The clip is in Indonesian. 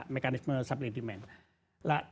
mekanisme supply demand